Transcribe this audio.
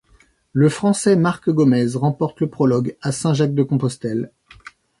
Le Français Marc Gomez remporte le prologue à Saint-Jacques-de-Compostelle.